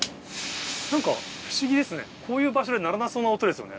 何か不思議ですねこういう場所で鳴らなそうな音ですよね。